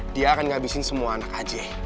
dia akan ngabisin semua anak aceh